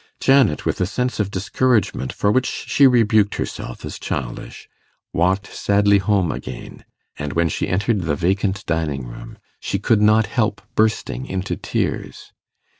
Janet, with a sense of discouragement for which she rebuked herself as childish, walked sadly home again; and when she entered the vacant dining room, she could not help bursting into tears.